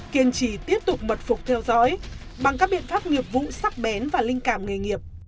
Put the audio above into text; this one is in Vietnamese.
kiên trì tiếp tục mật phục theo dõi bằng các biện pháp nghiệp vụ sắc bén và linh cảm nghề nghiệp